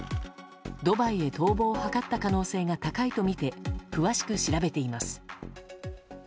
ドバイへ逃亡を図った可能性が高いとみて詳しく調べています。